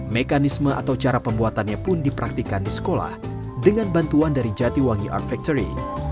mekanisme atau cara pembuatannya pun dipraktikan di sekolah dengan bantuan dari jatiwangi art factory